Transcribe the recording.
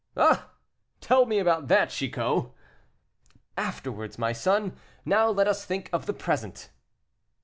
"Ah! tell me about that, Chicot." "Afterwards, my son; now let us think of the present."